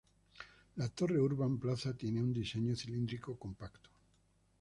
La Torre Urban Plaza tiene un diseño cilíndrico compacto.